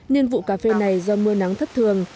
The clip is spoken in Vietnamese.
nhiên vụ cà phê này do mưa nắng thất thường